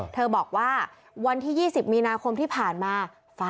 บอกว่าวันที่๒๐มีนาคมที่ผ่านมา